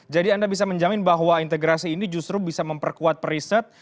anda bisa menjamin bahwa integrasi ini justru bisa memperkuat periset